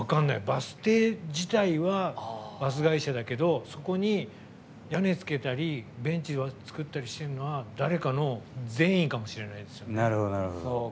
バス停自体はバス会社だけど、そこに屋根つけたりベンチ作ったりしてるのは誰かの善意かもしれないですね。